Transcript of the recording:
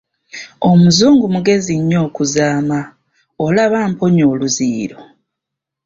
Omuzungu mugezi nnyo okuzaama, olaba amponya oluziyiro!